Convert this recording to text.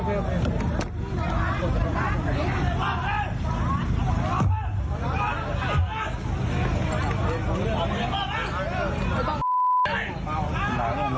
เอามาเติม